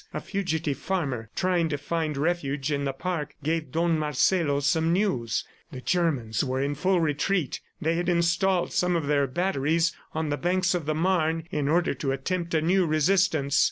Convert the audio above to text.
A fugitive farmer, trying to find refuge in the park, gave Don Marcelo some news. The Germans were in full retreat. They had installed some of their batteries on the banks of the Marne in order to attempt a new resistance.